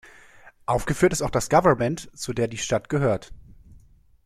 Aufgeführt ist auch das Gouvernement, zu der die Stadt gehört.